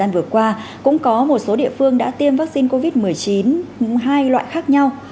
vừa qua cũng có một số địa phương đã tiêm vaccine covid một mươi chín hai loại khác nhau